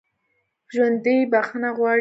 ژوندي بخښنه غواړي